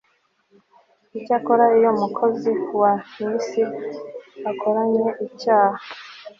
icyakora iyo umukozi wa niss akoranye icyaha